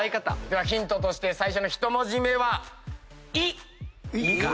ヒントとして最初の１文字目は「い」「い」か。